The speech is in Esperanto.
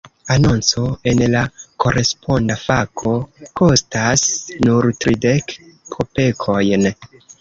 Anonco en la "Koresponda Fako" kostas nur tridek kopekojn.